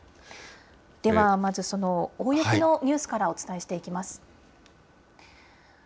ではまず、その大雪のニュースからお伝えしていきます。